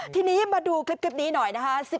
ทีนี้มาดูคลิปนี้หน่อยนะคะ